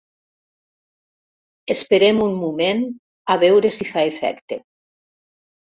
Esperem un moment, a veure si fa efecte.